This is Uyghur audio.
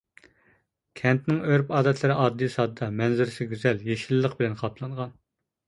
كەنتنىڭ ئۆرپ-ئادەتلىرى ئاددىي-ساددا، مەنزىرىسى گۈزەل، يېشىللىق بىلەن قاپلانغان.